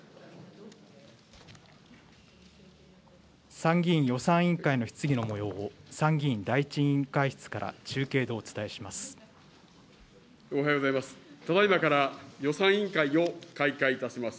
参議院予算委員会の質疑のもようを参議院第１委員会室から中継でおはようございます。